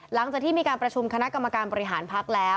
หลังจากที่มีการประชุมคณะกรรมการบริหารพักแล้ว